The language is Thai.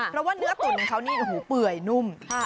เพราะว่าเนื้อตุ๋นของเขานี่โอ้โหเปื่อยนุ่ม